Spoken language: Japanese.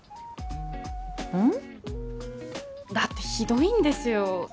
うん？だってひどいんですよ